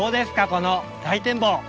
この大展望！